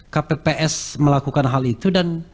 kpps melakukan hal itu dan